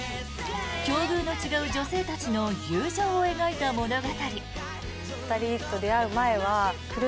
境遇の違う女性たちの友情を描いた物語。